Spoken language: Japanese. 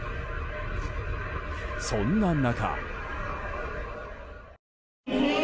そんな中。